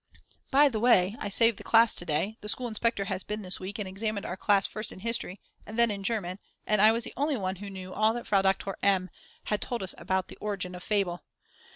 By the way, I saved the class to day, the school inspector has been this week and examined our class first in History and then in German, and I was the only one who knew all that Frau Doktor M. had told us about the Origin of Fable.